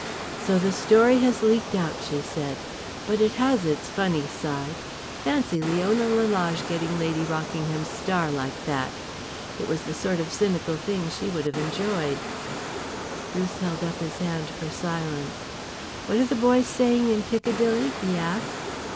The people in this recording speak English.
"So the story has leaked out," she said. "But it has its funny side. Fancy Leona Lalage getting Lady Rockingham's star like that! It was the sort of cynical thing she would have enjoyed." Bruce held up his hand for silence. "What are the boys saying in Piccadilly?" he asked.